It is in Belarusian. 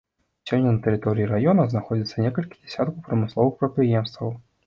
Сёння на тэрыторыі раёна знаходзяцца некалькі дзясяткаў прамысловых прадпрыемстваў.